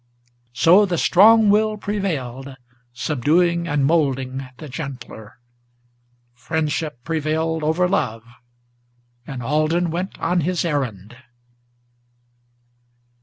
So the strong will prevailed, subduing and moulding the gentler, Friendship prevailed over love, and Alden went on his errand.